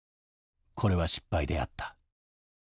これは失敗であった。